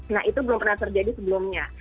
nah itu belum pernah terjadi sebelumnya